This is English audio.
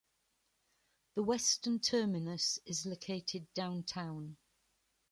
The western terminus is located downtown.